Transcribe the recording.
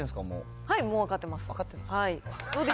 はい、もう分かってます。